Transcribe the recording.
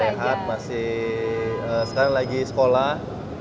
sehat masih sekarang lagi sekolah